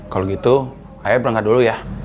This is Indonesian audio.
kalau gitu ayah berangkat dulu ya